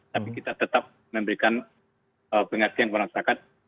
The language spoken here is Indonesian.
tapi kita tetap memberikan pengertian kepada masyarakat